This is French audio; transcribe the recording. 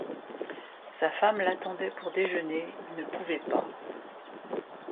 Sa femme l'attendait pour déjeuner, il ne pouvait pas.